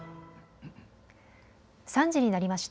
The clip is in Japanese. ３時になりました。